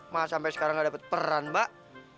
masa sampai sekarang gak dapet peran mbak